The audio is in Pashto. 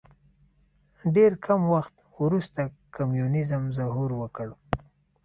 ډېر کم وخت وروسته کمونیزم ظهور وکړ.